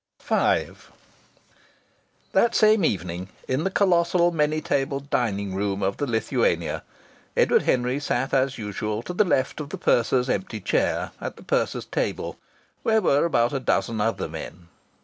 V That same evening, in the colossal many tabled dining saloon of the Lithuania Edward Henry sat as usual to the left of the purser's empty chair, at the purser's table, where were about a dozen other men.